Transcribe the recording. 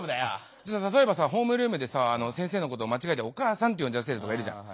じゃあ例えばさホームルームでさ先生のことを間違えて「お母さん」って呼んじゃう生徒とかいるじゃん。